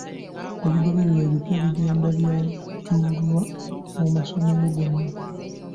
Ebigobererwa ebipya bigenda byanjulibwa mu masomero gonna.